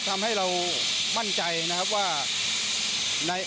ทำให้เรามั่นใจนะครับว่าใน